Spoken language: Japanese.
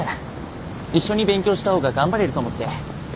一緒に勉強した方が頑張れると思って。